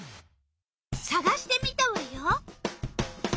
さがしてみたわよ。